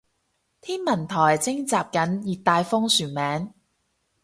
天文台徵集緊熱帶風旋名